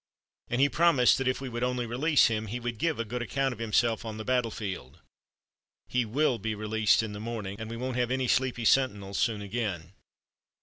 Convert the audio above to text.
And he promised that if we would only release him, he would give a good account of himself on the battlefield. He will be released in the morning, and we won't have any sleepy sentinels soon again."